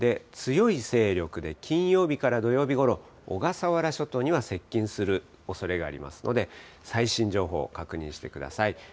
強い勢力で金曜日から土曜日ごろ、小笠原諸島には接近するおそれがありますので、最新情報、確認してください。